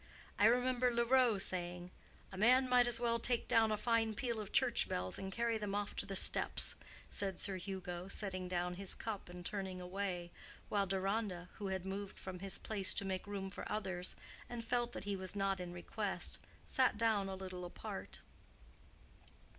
I remember Leroux saying, 'A man might as well take down a fine peal of church bells and carry them off to the steppes,' said Sir Hugo, setting down his cup and turning away, while Deronda, who had moved from his place to make room for others, and felt that he was not in request, sat down a little apart.